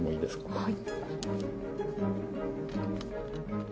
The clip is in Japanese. はい。